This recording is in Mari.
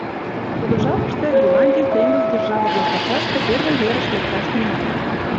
Тудо жапыште Голландий теҥыз держава-влак коклаште первый верыш лекташ тӱҥалын.